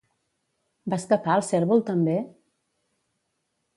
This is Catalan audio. Va escapar el cérvol també?